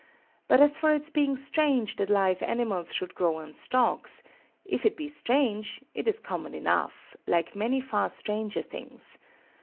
But as for its being strange that live animals should grow on stalks, if it be strange it is common enough, like many far stranger things.